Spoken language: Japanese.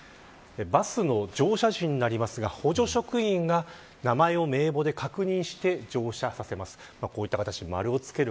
バスの乗車時になりますが補助職員が名前を名簿で確認して乗車させます。